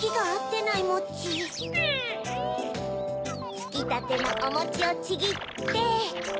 つきたてのおもちをちぎって。